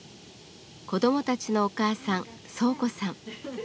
子供たちのお母さん宗子さん。